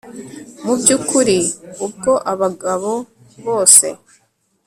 mu by'ukuri ubwo abagabo bose